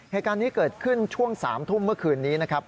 เหตุการณ์นี้เกิดขึ้นช่วง๓ทุ่มเมื่อคืนนี้นะครับ